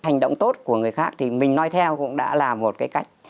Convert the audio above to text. hành động tốt của người khác thì mình nói theo cũng đã là một cái cách